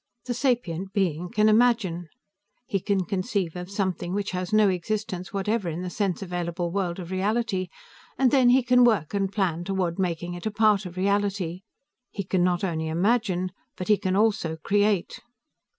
The sapient being can imagine. He can conceive of something which has no existence whatever in the sense available world of reality, and then he can work and plan toward making it a part of reality. He can not only imagine, but he can also create."